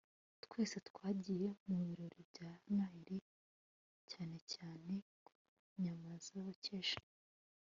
Twese twagiye mu birori bya Noheri cyane cyane ku nyama zokeje